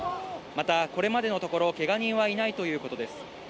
また、これまでのところ、けが人はいないということです。